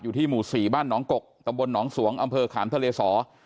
ที่หมู่๔บ้านหนองกกตำบลหนองสวงอำเภอขามทะเลสอ